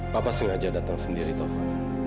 papa sengaja datang sendiri tova